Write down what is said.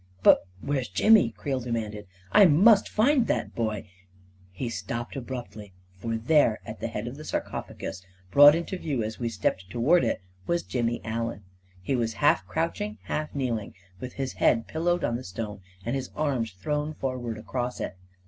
"But where's Jimmy?" Creel demanded. "I must find that boy ..." He stopped abruptly, for there, at the head of the sarcophagus, brought into view as we stepped to ward it, was Jimmy Allen. He was half crouching, half kneeling, with his head pillowed on the stone and his arms thrown forward across it.